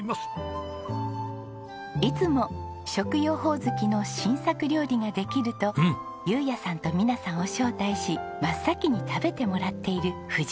いつも食用ホオズキの新作料理ができると雄也さんと美奈さんを招待し真っ先に食べてもらっている藤シェフ。